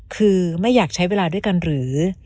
คือไม่อยากใช้เวลาด้วยกันหรือ